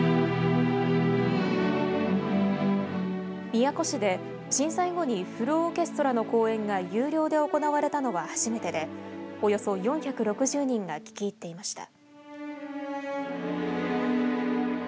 宮古市で震災後にフルオーケストラの公演が有料で行われたの初めてでおよそ４６０人が聞き入っていました。